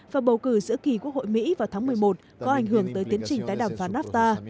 và bầu cử giữa kỳ quốc hội mỹ vào tháng một mươi một có ảnh hưởng tới tiến trình tái đàm phán nafta